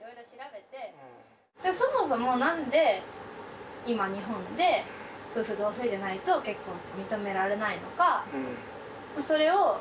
そもそも何で今日本で夫婦同姓でないと結婚って認められないのかそれを。